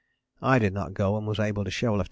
I did not go and was able to show Lieut.